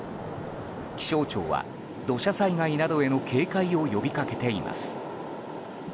気象庁は土砂災害などへの警戒を呼びかけています。